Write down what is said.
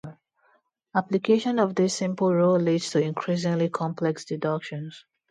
Application of this simple rule leads to increasingly complex deductions.